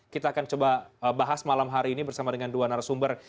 kita akan coba bahas malam hari ini bersama dengan dua narasumber